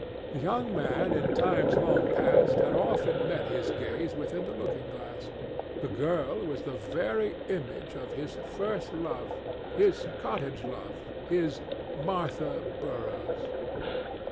The young man in times long past had often met his gaze within the looking glass; the girl was the very image of his first love—his cottage love, his Martha Burroughs.